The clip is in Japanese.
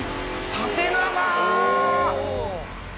縦長！